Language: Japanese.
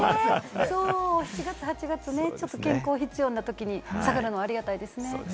７月・８月ね、ちょっと健康に必要なときに下がるのありがたいですね。